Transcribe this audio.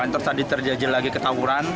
terus tadi terjadi lagi ketawuran